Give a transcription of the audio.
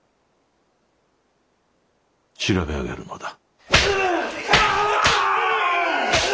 調べ上げるのだ。